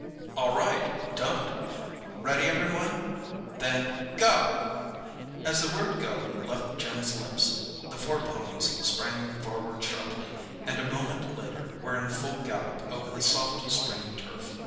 "All right—don't! Ready every one? Then—go!" As the word "Go" left Jim's lips the four ponies sprang forward sharply, and a moment later were in full gallop over the soft springy turf.